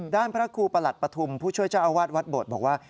พระครูประหลัดปฐุมผู้ช่วยเจ้าอาวาสวัดโบดบอกว่า